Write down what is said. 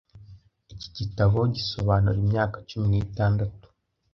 Iki gitabo gisobanura imyaka cumi n'itandatu